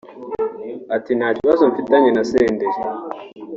Ati Nta kibazo mfitanye naSenderi